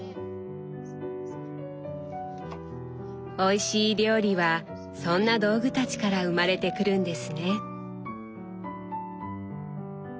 おいしい料理はそんな道具たちから生まれてくるんですね。